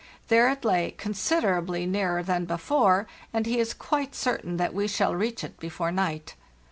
There it lay, considerably nearer than before, and he is quite certain that we shall reach it before night."